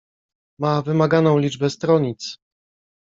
"Ma wymaganą liczbę stronic."